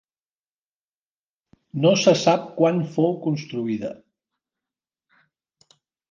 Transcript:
No se sap quan fou construïda.